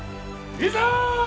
いざ！